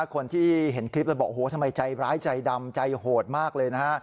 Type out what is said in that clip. คนที่เห็นคลิปแล้วบอกโอ้โหทำไมใจร้ายใจดำใจโหดมากเลยนะฮะ